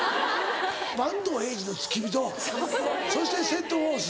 板東英二の付き人そしてセント・フォース。